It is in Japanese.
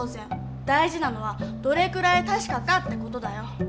大事なのはどれくらい確かかって事だよ。